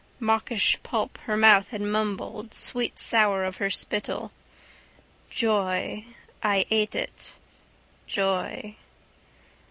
Mawkish pulp her mouth had mumbled sweetsour of her spittle. Joy: I ate it: joy.